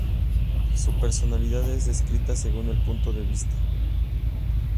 Su personalidad es descrita según el punto de vista.